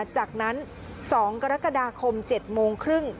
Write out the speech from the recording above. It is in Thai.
จากนั้น๒กรกฎาคม๗โมงครึ่ง